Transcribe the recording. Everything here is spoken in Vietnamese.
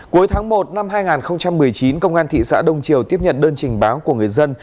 cuối tháng một năm hai nghìn một mươi chín công an thị xã đông triều tiếp nhận đơn trình báo của người dân